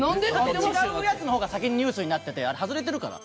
違うやつのほうが先にニュースになってて外れてるから！